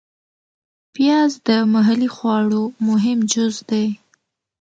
پیاز د محلي خواړو مهم جز دی